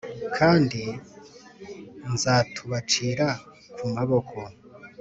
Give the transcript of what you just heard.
kandi nzatubacira ku maboko